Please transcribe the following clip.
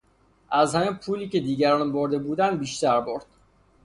او از همهی پولی که دیگران برده بودند بیشتر برد.